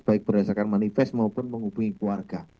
baik berdasarkan manifest maupun menghubungi keluarga